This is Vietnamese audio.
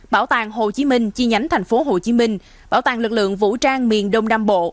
bảo tàng hồ chí minh chi nhánh tp hcm bảo tàng lực lượng vũ trang miền đông nam bộ